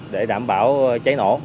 để đảm bảo cháy nổ